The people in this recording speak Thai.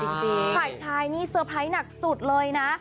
ฝ่ายชายนี่เซอร์ไพรส์หนักสุดเลยนะ